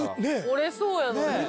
折れそうやのに。